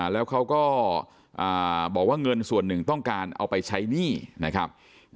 แล้วเขาก็บอกว่าเงินส่วนหนึ่งต้องการเอาไปใช้หนี้นะครับ